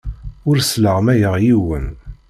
Ur sleɣmayeɣ yiwen.